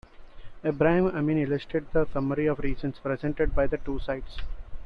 Ebrahim Amini listed the summary of reasons presented by the two sides.